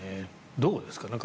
どうですか。